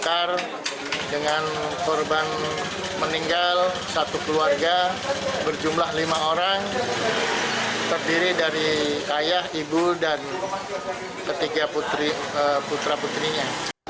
terakar dengan korban meninggal satu keluarga berjumlah lima orang terdiri dari ayah ibu dan ketiga putra putrinya